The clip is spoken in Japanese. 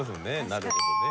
なるほどね。